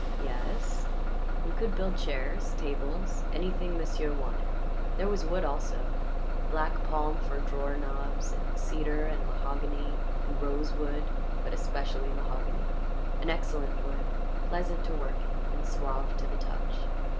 Yes he could build chairs, tables, anything m'sieu' wanted There was wood also black palm for drawer knobs and cedar and mahogany and rosewood, but especially mahogany. An excellent wood, pleasant to work in and suave to the touch.